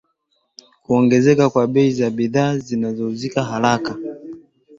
kuongezeka kwa bei za bidhaa zinazouzika haraka